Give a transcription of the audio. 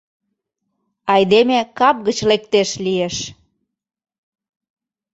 Айдеме кап гыч лектеш лиеш!